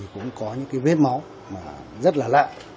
cũng có những vết máu rất là lạ